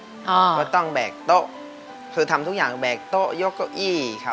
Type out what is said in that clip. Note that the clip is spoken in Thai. ก็ต้องแบกโต๊ะคือทำทุกอย่างแบกโต๊ะยกเก้าอี้ค่ะ